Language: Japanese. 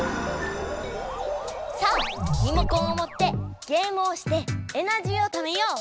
さあリモコンをもってゲームをしてエナジーをためよう！